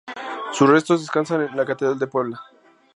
Sus restos descansan en la Catedral de Puebla.